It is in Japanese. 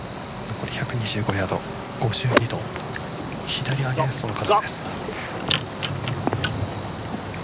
１２５ヤード５２度左アゲンストの数です。